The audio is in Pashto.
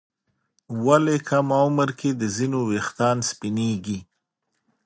ولې کم عمر کې د ځینو ويښتان سپینېږي؟